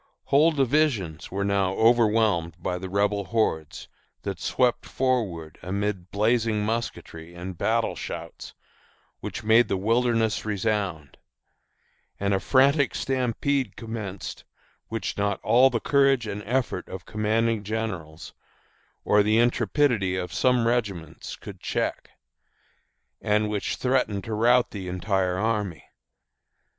Whole divisions were now overwhelmed by the Rebel hordes, that swept forward amid blazing musketry and battle shouts which made the wilderness resound; and a frantic stampede commenced which not all the courage and effort of commanding generals, or the intrepidity of some regiments could check, and which threatened to rout the entire army.